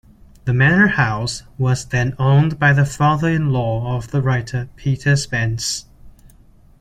The Manor House was then owned by the father-in-law of the writer Peter Spence.